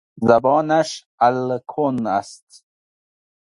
زبانش الکن است.